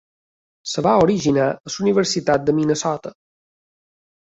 Es va originar a la Universitat de Minnesota.